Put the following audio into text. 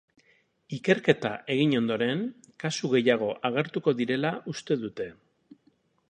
Ikerketa egin ondoren kasu gehiago agertuko direla uste dute.